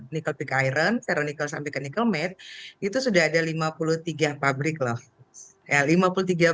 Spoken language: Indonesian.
nikel pick iron veronical sampai ke nikel made itu sudah ada lima puluh tiga pabrik loh